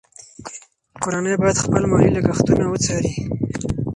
کورنۍ باید خپل مالي لګښتونه وڅاري.